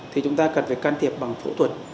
thì chúng ta cần phải can thiệp bằng phẫu thuật